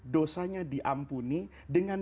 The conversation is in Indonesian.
dosanya diampuni dengan